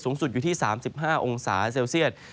สูงสุดอยู่ที่๓๕องศาเซลเซียต